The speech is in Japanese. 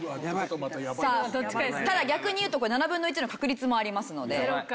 さあただ逆に言うとこれ７分の１の確率もありますので。